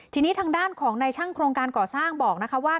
ทีนี้ทางด้านของในช่างโครงการก่อสร้างบอกนะคะว่า